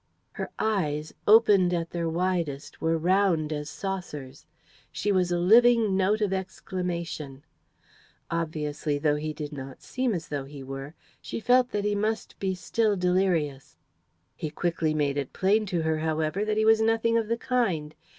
Her eyes, opened at their widest, were round as saucers. She was a living note of exclamation. Obviously, though he did not seem as though he were, she felt that he must be still delirious. He quickly made it plain to her, however, that he was nothing of the kind.